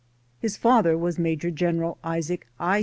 His father was Major General Isaac I.